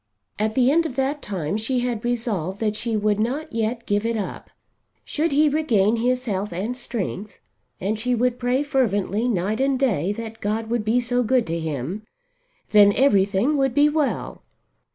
At the end of that time she had resolved that she would not yet give it up. Should he regain his health and strength, and she would pray fervently night and day that God would be so good to him, then everything would be well.